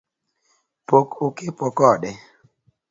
Pok okepo kode